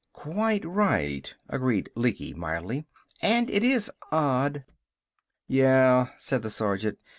"Quite right," agreed Lecky, mildly. "And it is odd " "Yeah," said the sergeant.